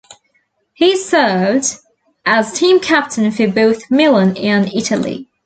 He served as team captain for both Milan and Italy.